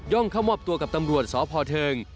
เข้ามอบตัวกับตำรวจสพเทิง